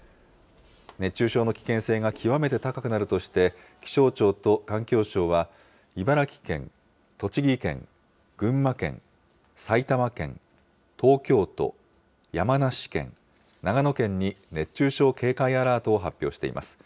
熱中症の危険性が極めて高くなるとして、気象庁と環境省は、茨城県、栃木県、群馬県、埼玉県、東京都、山梨県、長野県に熱中症警戒アラートを発表しています。